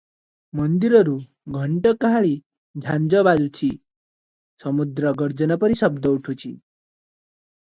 ମନ୍ଦିରରୁ ଘଣ୍ଟ କାହାଳି ଝାଞ୍ଜ ବାଜୁଛି, ସମୁଦ୍ର ଗର୍ଜନ ପରି ଶବ୍ଦ ଉଠୁଛି ।